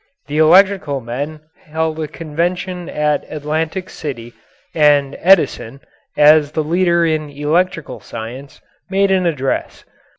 The electrical men held a convention at Atlantic City, and Edison, as the leader in electrical science, made an address.